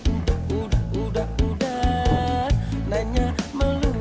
udah udah udah udah nanya melulu